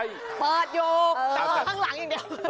อายโยกตรงส้างหลังอย่างเดียว